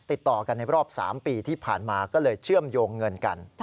ติดต่อกันในรอบ๓ปีที่ผ่านมาก็เลยเชื่อมโยงเงินกัน